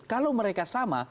kalau mereka sama